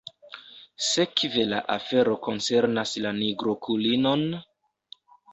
Sekve la afero koncernas la nigrokulinon?